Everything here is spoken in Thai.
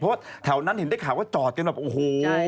เพราะว่าแถวนั้นเห็นได้ข่าวว่าจอดกันแบบโอ้โห